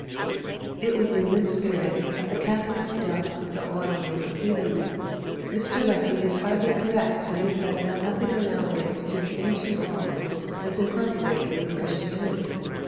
25. It was in this spirit that the Catholics dealt with the oracles of heathendom. Mr. Lecky is hardly correct when he says that nothing analogous to the ancient oracles was incorporated with Christianity.